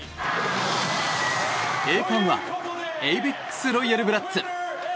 栄冠は、エイベックス・ロイヤルブラッツ。